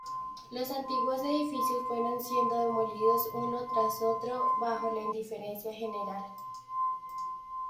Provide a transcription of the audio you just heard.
Los antiguos edificios fueron siendo demolidos uno tras otro bajo la indiferencia general.